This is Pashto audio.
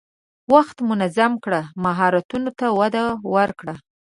وخت منظم کړه، مهارتونو ته وده ورکړه.